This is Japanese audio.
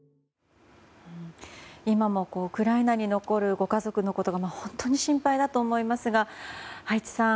今もウクライナに残るご家族のことが本当に心配だと思いますが葉一さん